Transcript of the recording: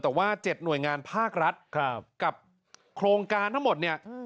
แต่ว่า๗หน่วยงานภาครัฐกับโครงการทั้งหมดเนี่ย